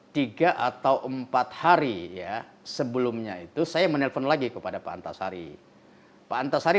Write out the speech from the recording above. tiga atau empat hari ya sebelumnya itu saya menelpon lagi kepada pak antasari pak antasari